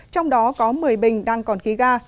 trong đó có một mươi bình đang còn khí ga